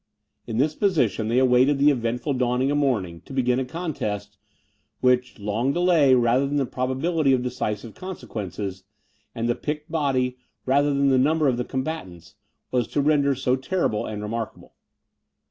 In this position, they awaited the eventful dawn of morning, to begin a contest, which long delay, rather than the probability of decisive consequences, and the picked body, rather than the number of the combatants, was to render so terrible and remarkable.